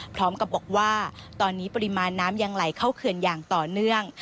พร้อมกับบอกว่าตอนนี้ปริมาณน้ำยังไหลเข้าเขื่อนอย่างต่อเนื่อง